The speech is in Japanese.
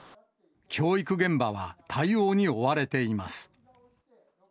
教育現場は対応に追われています。